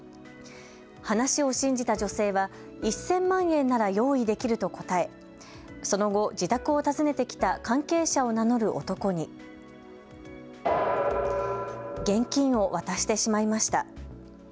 話を信じた女性は１０００万円なら用意できると答え、その後、自宅を訪ねてきた関係者を名乗る男に現金を渡してしまいました。